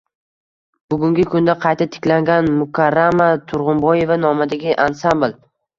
Bugungi kunda qayta tiklangan “Mukarrama Turg‘unboyeva”nomidagi ansaml